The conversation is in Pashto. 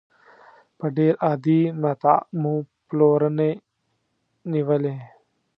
په ډېر عادي متاع مو پلورنې نېولې.